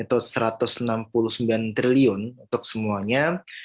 atau rp satu ratus enam puluh sembilan triliun untuk semuanya